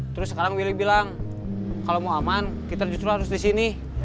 terus sekarang willy bilang kalau mau aman kita justru harus di sini